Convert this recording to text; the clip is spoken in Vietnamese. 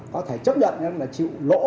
có thể chấp nhận nhưng chịu không